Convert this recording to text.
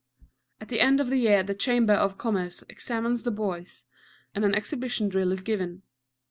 At the end of the year the Chamber of Commerce examines the boys, and an exhibition drill is given.